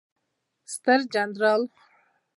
ستر جنرال